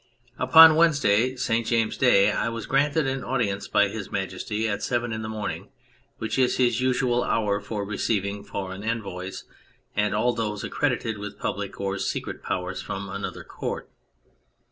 Upon Wednesday, St. James's Day, I was granted an audience by His Majesty at seven in the morning, which is his usual hour for receiving foreign envoys and all those accredited with public or secret powers from another Court.